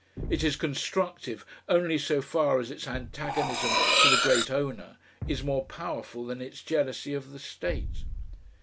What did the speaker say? It is constructive only so far as its antagonism to the great owner is more powerful than its jealousy of the state.